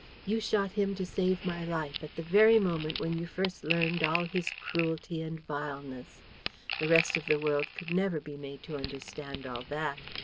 You shot him to save my life, at the very moment when you first learned all his cruelty and his vileness. The rest of the world could never be made to understand all that.